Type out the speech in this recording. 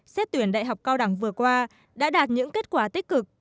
xét tuyển đại học cao đẳng vừa qua đã đạt những kết quả tích cực